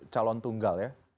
calon tunggal ya